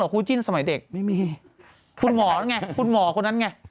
คุณหมอแล้วไงคุณหมอคนนั้นไง